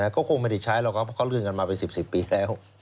ก็คงไม่ได้ใช้หรอกครับเพราะเขาเลื่อนกันมาเป็น๑๐ปีแล้ว